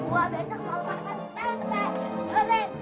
gole gua besok mau makan tempe